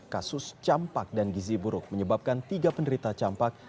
kasus campak dan gizi buruk menyebabkan tiga penderita campak